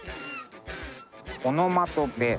オノマトペ。